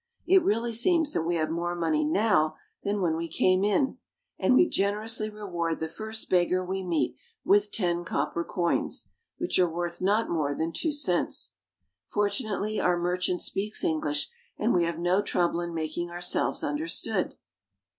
It really seems that we have more money now than when we came in, and we generously reward the first beggar we meet with ten copper coins, which are worth not more than two cents. Fortunately our merchant speaks English, and we have no trouble in making ourselves understood.